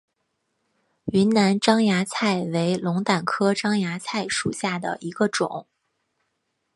云南獐牙菜为龙胆科獐牙菜属下的一个种。